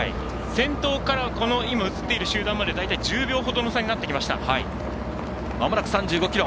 先頭から、映っている集団まで大体１０秒ほどの差になってきました。